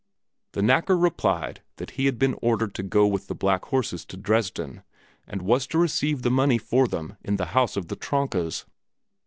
The knacker replied that he had been ordered to go with the black horses to Dresden and was to receive the money for them in the house of the Tronkas.